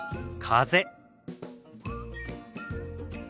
風。